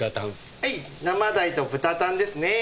はい生大と豚タンですね。